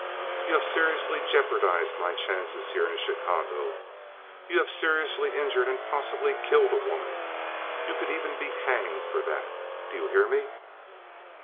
You have seriously jeopardized my chances here in Chicago. You have seriously injured and possibly killed a woman. You could even be hanged for that. Do you hear me?"